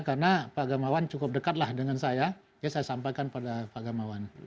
karena pak gamawan cukup dekatlah dengan saya jadi saya sampaikan pada pak gamawan